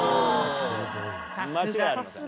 間違いありません。